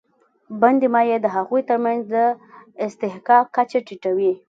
بندي مایع د هغوی تر منځ د اصطحکاک کچه ټیټوي.